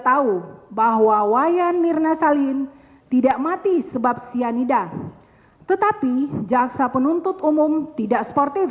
tahu bahwa wayan nirnasalin tigak mati sebab cyanidine tetapi jaksa penuntut umum tidak